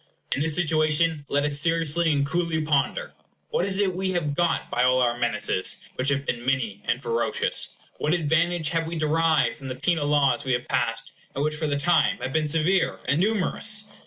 In this situation, let us seriously and coolly ponder. What is it we have got by all our menaces, which have been many and ferocious? What advantage have we derived from the penal laws we have passed, and which, for the time, have been severe and numerous?